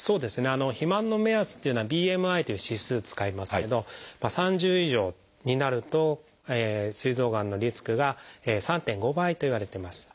肥満の目安というのは「ＢＭＩ」という指数使いますけど３０以上になるとすい臓がんのリスクが３．５倍といわれてます。